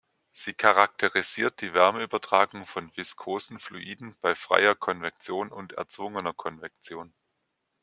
Sie charakterisiert die Wärmeübertragung von viskosen Fluiden bei freier Konvektion und erzwungener Konvektion.